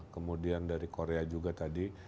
kemudian dari korea juga tadi